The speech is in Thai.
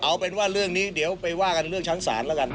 เอาเป็นว่าเรื่องนี้เดี๋ยวไปว่ากันเรื่องชั้นศาลแล้วกัน